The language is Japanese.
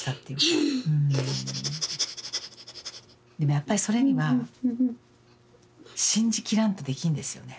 やっぱりそれには信じきらんとできんですよね。